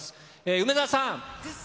梅澤さん。